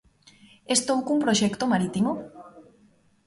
Estou cun proxecto marítimo.